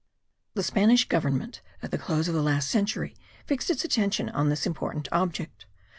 The Spanish Government at the close of the last century fixed its attention on this important object.